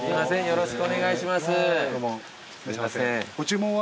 よろしくお願いします。